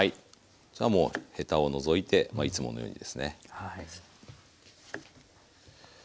じゃもうヘタを除いてまあいつものようにですね。